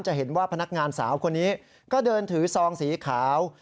จะเห็นว่าพนักงานสาวคนนี้ก็เดินถือซองสีขาว